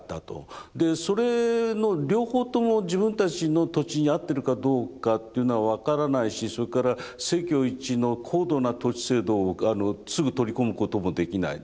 でそれの両方とも自分たちの土地に合ってるかどうかというのは分からないしそれから政教一致の高度な都市制度をすぐ取り込むこともできない。